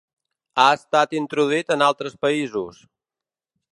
Ha estat introduït en altres països.